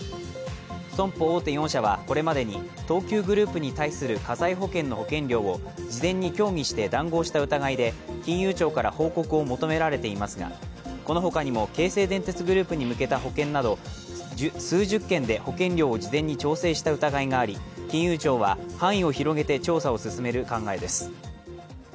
損保大手４社はこれまでに東急グループに対する火災保険の保険料を事前に協議して談合した疑いで金融庁から報告を求められていますがこのほかにも京成電鉄グループに向けた保険など数十件で保険料を事前に調整した疑いがあり金融庁は範囲を広げて調査を進める考えです。